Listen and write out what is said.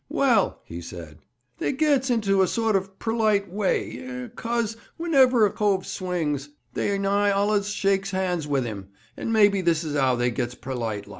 "Well," he said, "they gets into a sort of perlite way like, 'cos whenever a cove swings they nigh allus shakes hands with 'im, and maybe this is 'ow they gits perlite like."